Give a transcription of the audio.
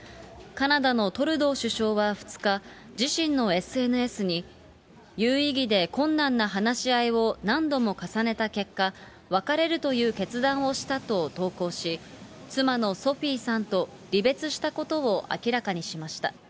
カナダのトルドー首相は２日、自身のＳＮＳに、有意義で困難な話し合いを何度も重ねた結果、別れるという決断をしたと投稿し、妻のソフィーさんと離別したことを明らかにしました。